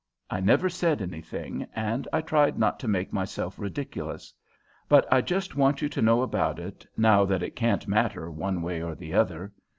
I never said anything, and I tried not to make myself ridiculous. But I just want you to know about it now that it can't matter one way or the other.